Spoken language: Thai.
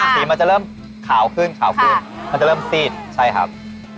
สีมันจะเริ่มขาวขึ้นขาวขึ้นมันจะเริ่มซีดใช่ครับ